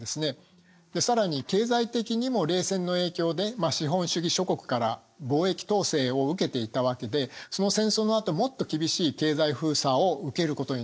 で更に経済的にも冷戦の影響で資本主義諸国から貿易統制を受けていたわけでその戦争のあともっと厳しい経済封鎖を受けることになってしまうわけです。